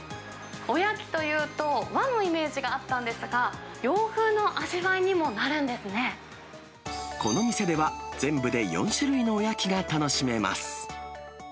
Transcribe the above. おやきというと、和のイメージがあったんですが、この店では、全部で４種類のおやきが楽しめます。